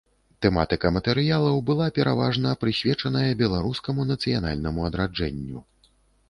Тэматыка матэрыялаў была пераважна прысвечаная беларускаму нацыянальнаму адраджэнню.